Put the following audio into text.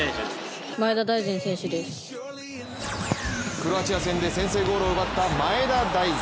クロアチア戦で先制ゴールを奪った前田大然。